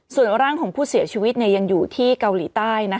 ส่วนร่างของผู้เสียชีวิตยังอยู่ที่เกาหลีใต้